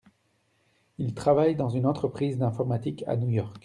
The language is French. Il travaille dans une entreprise d’informatique à New York.